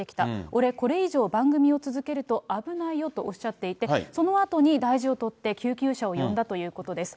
俺、これ以上番組を続けると危ないよとおっしゃっていて、そのあとに大事を取って救急車を呼んだということです。